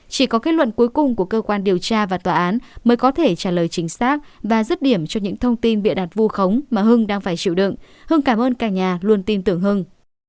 chỉ có kết luận cuối cùng của cơ quan điều tra và tòa án mới có thể trả lời chính xác và rứt điểm cho những thông tin bịa đặt vu khống mà hưng đang phải chịu đựng hưng cảm ơn cả nhà luôn tin tưởng hưng